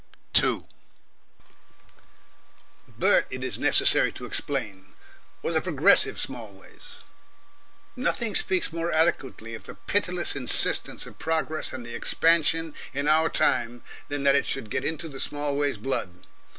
2 Bert, it is necessary to explain, was a progressive Smallways. Nothing speaks more eloquently of the pitiless insistence of progress and expansion in our time than that it should get into the Smallways blood.